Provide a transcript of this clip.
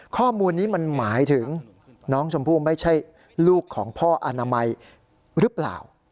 ข้อมูลนี้มันหมายถึงน้องชมพู่ไม่ใช่ลูกของพ่ออนามัยหรือเปล่า